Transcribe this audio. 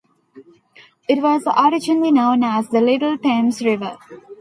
It was originally known as the Little Thames River.